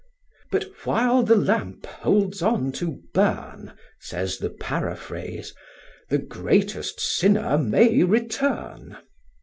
"But while the lamp holds on to burn," says the paraphrase, "the greatest sinner may return."